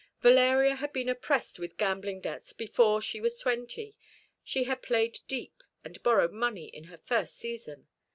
Valeria had been oppressed with gambling debts before she was twenty. She had played deep, and borrowed money in her first season.